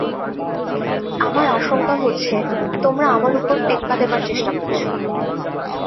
আমার আশঙ্কা হচ্ছে, তোমরা আমার উপর টেক্কা দেবার চেষ্টা করছ।